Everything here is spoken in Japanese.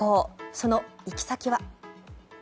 その行き先は。